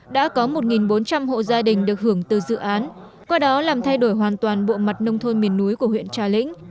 đã có một bốn trăm linh hộ gia đình được hưởng từ dự án qua đó làm thay đổi hoàn toàn bộ mặt nông thôn miền núi của huyện trà lĩnh